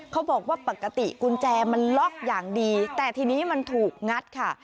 เขาบอกว่าปกติกุญแจมันล็อกอย่างดีแต่ทีนี้มันถูกงัดค่ะ